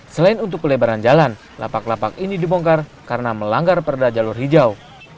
selain untuk pelebaran jalan lapak lapak ini dibongkar karena melanggar perda jalur hijau